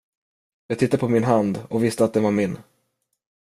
Jag tittade på min hand och visste att den var min.